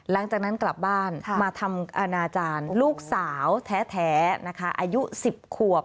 หลังจากนั้นกลับบ้านมาทำอนาจารย์ลูกสาวแท้นะคะอายุ๑๐ขวบ